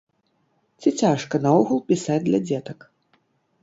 Ці цяжка наогул пісаць для дзетак?